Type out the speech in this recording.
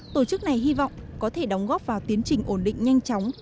tổ chức này hy vọng có thể đóng góp vào tiến trình ổn định nhanh chóng